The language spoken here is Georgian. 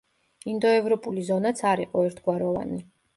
ინდოევროპული ზონაც არ იყო ერთგვაროვანი.